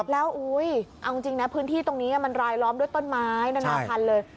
แล้วเอาจริงนะพื้นที่ตรงนี้มันรายล้อมด้วยต้นไม้นานาพันธุ์เลย